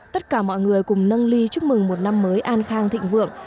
tất cả mọi người cùng nâng ly chúc mừng một năm mới an khang thịnh vượng